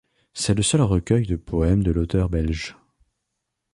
C'est le seul recueil de poèmes de l'auteur belge.